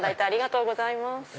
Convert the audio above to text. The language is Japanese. ありがとうございます。